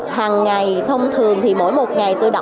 hằng ngày thông thường thì mỗi một ngày tôi đọc quản